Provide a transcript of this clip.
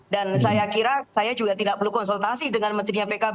saya kira saya juga tidak perlu konsultasi dengan menterinya pkb